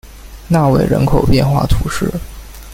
纳韦人口变化图示